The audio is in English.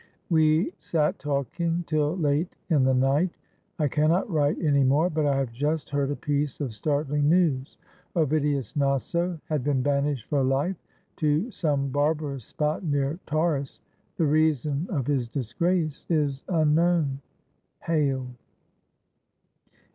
We sat talking till late in the night. I cannot write anymore, but I have just heard a piece of startling news. Ovidius Naso had been banished for life to some bar barous spot near Tauris. The reason of his disgrace is unknown. Hail!